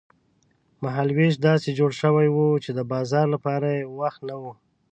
مهال وېش داسې جوړ شوی و چې د بازار لپاره یې وخت نه و.